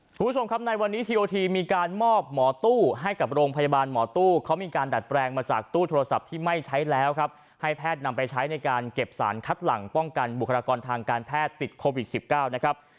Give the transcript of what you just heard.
คุณผู้ชมครับในวันนี้ทีโอทีมีการมอบหมอตู้ให้กับโรงพยาบาลหมอตู้เขามีการดัดแปลงมาจากตู้โทรศัพท์ที่ไม่ใช้แล้วครับให้แพทย์นำไปใช้ในการเก็บสารคัดหลังป้องกันบุคลากรทางการแพทย์ติดโควิด๑๙นะครับ